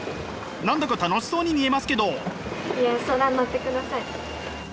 何だか楽しそうに見えますけど。